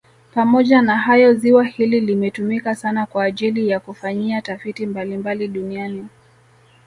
Pamoja na hayo ziwa hili limetumika sana kwa ajili ya kufanyia tafiti mbalimbali duniani